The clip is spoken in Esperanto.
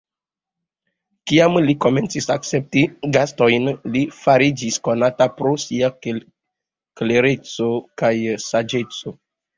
Kiam li komencis akcepti gastojn, li fariĝis konata pro sia klereco kaj saĝeco.